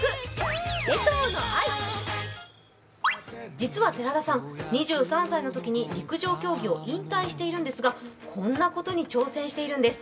実は寺田さん、２３歳のときに陸上競技を引退しているんですがこんなことに挑戦しているんです。